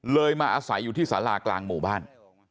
มาอาศัยอยู่ที่สารากลางหมู่บ้าน